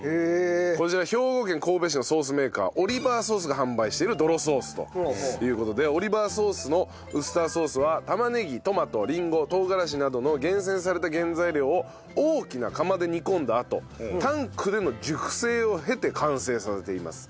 こちら兵庫県神戸市のソースメーカーオリバーソースが販売しているどろソースという事でオリバーソースのウスターソースは玉ねぎトマトリンゴ唐辛子などの厳選された原材料を大きな釜で煮込んだあとタンクでの熟成を経て完成させています。